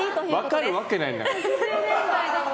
分かるわけないんだから。